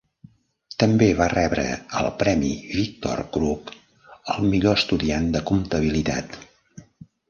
També va rebre el Premi Victor Crooke al millor estudiant de comptabilitat.